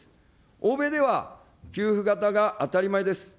欧米では、給付型が当たり前です。